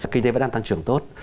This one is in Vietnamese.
kinh tế vẫn đang tăng trưởng tốt